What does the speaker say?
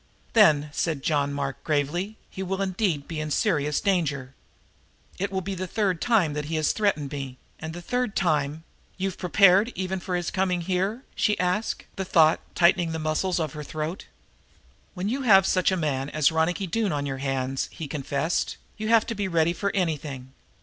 "Then," said John Mark very gravely, "he will indeed be in serious danger. It will be the third time that he has threatened me. And the third time " "You've prepared even for his coming here?" she asked, the thought tightening the muscles of her throat. "When you have such a man as Ronicky Doone on your hands," he confessed, "you have to be ready for anything.